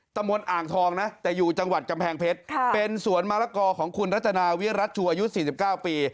ตำบลอ่างทองนะแต่อยู่จังหวัดกำแพงเพชรเป็นสวนมะละกอของคุณรัตนาวิรัชชูอายุ๔๙ปี